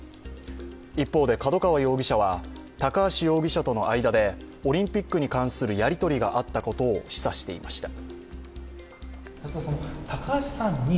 一方で、角川容疑者は、高橋容疑者との間でオリンピックに関するやり取りがあったことを示唆していました。